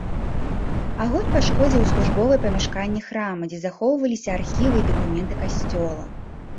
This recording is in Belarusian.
Агонь пашкодзіў службовыя памяшканні храма, дзе захоўваліся архівы і дакументы касцёла.